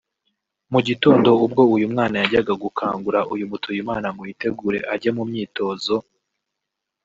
Mu gitondo ubwo uyu mwana yajyaga gukangura uyu Mutuyimana ngo yitegure ajye mu myitozo